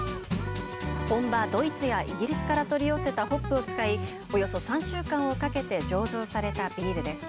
本場、ドイツやイギリスから取り寄せたホップを使い、およそ３週間をかけて醸造されたビールです。